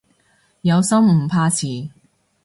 有心唔怕遲